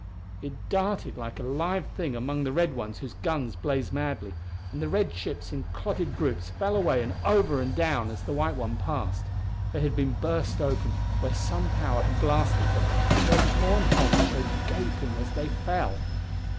It darted like a live thing among the red ones whose guns blazed madly and the red ships in clotted groups fell away and over and down as the white one passed. They had been burst open where some power had blasted them, and their torn hulls showed gaping as they fell.